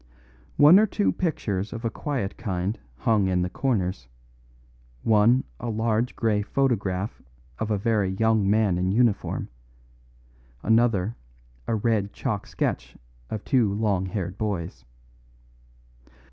One or two pictures of a quiet kind hung in the corners, one a large grey photograph of a very young man in uniform, another a red chalk sketch of two long haired boys.